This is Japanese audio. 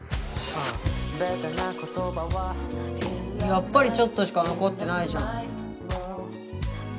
やっぱりちょっとしか残ってないじゃん。